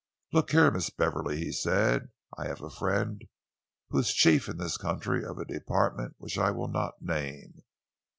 "Look here, Miss Beverley," he said, "I have a friend who is chief in this country of a department which I will not name.